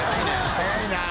早いなぁ。